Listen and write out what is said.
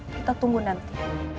kita tunggu nanti